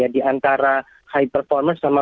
di antara high performance